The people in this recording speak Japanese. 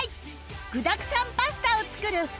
具だくさんパスタを作る